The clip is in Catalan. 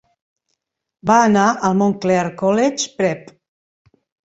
Va anar al Montclair College Prep.